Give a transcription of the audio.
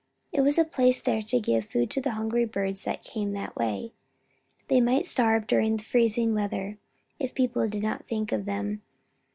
It was placed there to give food to the hungry birds that came that way. They might starve during freezing weather, if kind people did not think of them.